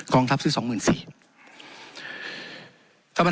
กองทัพซื้อ๒๔๐๐๐บาท